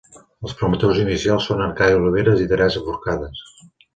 Els promotors inicials són Arcadi Oliveres i Teresa Forcades.